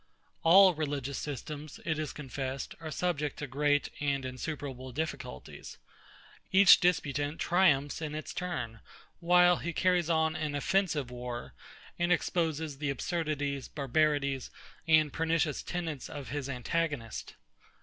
All religious systems, it is confessed, are subject to great and insuperable difficulties. Each disputant triumphs in his turn; while he carries on an offensive war, and exposes the absurdities, barbarities, and pernicious tenets of his antagonist.